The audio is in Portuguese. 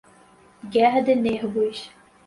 Guerra de Nervos